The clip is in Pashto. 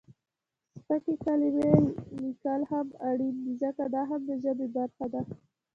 سپکې کلمې لیکل هم اړین دي ځکه، دا هم د ژبې برخه ده.